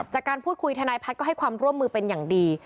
จากการพูดคุยทนายพัฒน์ก็ให้ความร่วมมือเป็นอย่างดี